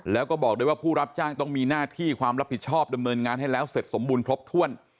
แล้วก็บอกด้วยว่าผู้รับจ้างต้องมีหน้าที่ความรับผิดชอบดำเนินงานให้แล้วเสร็จสมบูรณ์ครบถ้วน